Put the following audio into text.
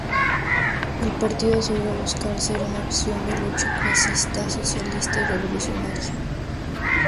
El partido asegura buscar ser una opción de lucha clasista, socialista y revolucionaria.